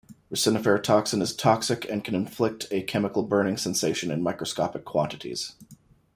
Resiniferatoxin is toxic and can inflict a chemical burning sensation in microscopic quantities.